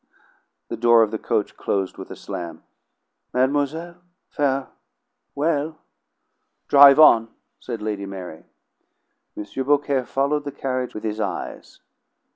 The door of the coach closed with a slam. "Mademoiselle fare well!" "Drive on!" said Lady Mary. M. Beaucaire followed the carriage with his eyes.